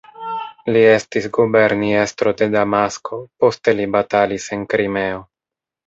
Li estis guberniestro de Damasko, poste li batalis en Krimeo.